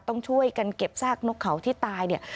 ต้องช่วยกันเก็บซากนกเขาที่ตายเนี่ย